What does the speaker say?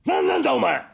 お前！